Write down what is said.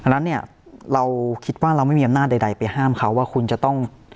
นั้นเนี่ยเราคิดว่าเราไม่มีอำนาจใดไปห้ามเขาว่าคุณจะต้อง